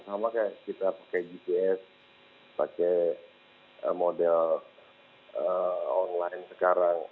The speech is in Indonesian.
sama kayak kita pakai gps pakai model online sekarang